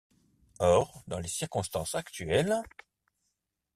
Or, dans les circonstances actuelles...